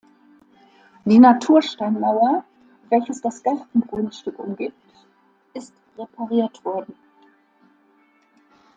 Die Natursteinmauer, welches das Gartengrundstück umgibt, ist repariert wurden.